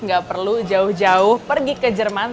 gak perlu jauh jauh pergi ke jerman